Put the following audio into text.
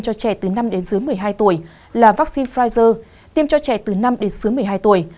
cho trẻ từ năm đến dưới một mươi hai tuổi là vaccine pfizer tiêm cho trẻ từ năm đến dưới một mươi hai tuổi